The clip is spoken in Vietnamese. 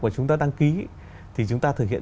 mà chúng ta đăng ký thì chúng ta thực hiện